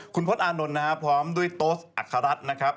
คุณพศอานนท์นะครับพร้อมด้วยโต๊สอัครรัฐนะครับ